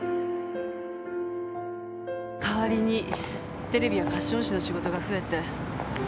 代わりにテレビやファッション誌の仕事が増えて。